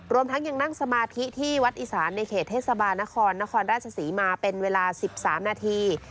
ทั้งยังนั่งสมาธิที่วัดอีสานในเขตเทศบาลนครนครราชศรีมาเป็นเวลา๑๓นาที